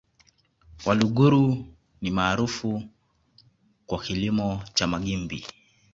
Waluguru ni maarufu kwa kilimo cha magimbi